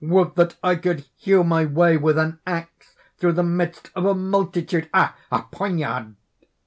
Would that I could hew my way with an axe, through the midst of a multitude.... Ah, a poniard!..."